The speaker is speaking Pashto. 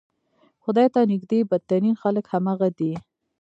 خدای ته نږدې بدترین خلک همغه دي.